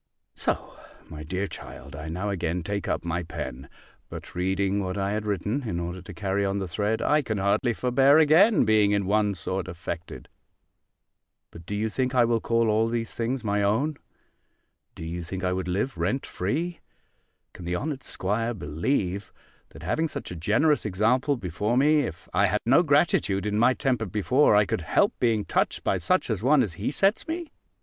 So, my dear child, I now again take up my pen: but reading what I had written, in order to carry on the thread, I can hardly forbear again being in one sort affected. But do you think I will call all these things my own? Do you think I would live rent free? Can the honoured 'squire believe, that having such a generous example before me, if I had no gratitude in my temper before, I could help being touched by such an one as he sets me?